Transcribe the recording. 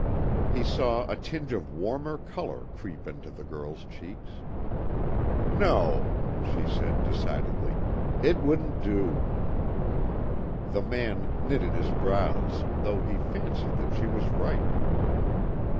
He saw a tinge of warmer colour creep into the girl's cheeks. "No," she said decidedly. "It wouldn't do." The man knitted his brows, though he fancied that she was right.